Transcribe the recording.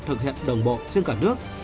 thực hiện đồng bộ trên cả nước